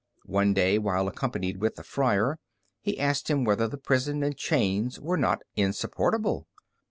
One day, while accompanied with the friar, he asked him whether the prison and chains were not insupportable.